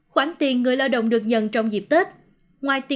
khoản tiền người lao động được nhận trong dịp tết